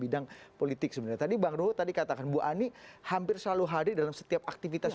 bidang politik sebenarnya tadi bang ruhut tadi katakan bu ani hampir selalu hadir dalam setiap aktivitas